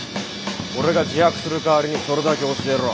俺が自白する代わりにそれだけ教えろ。